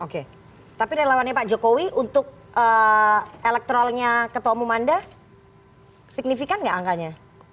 oke tapi relawannya pak jokowi untuk elektrolnya ketua umum anda signifikan nggak angkanya